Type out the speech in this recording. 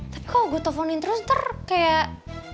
tapi kalau gua teleponin terus ntar kayak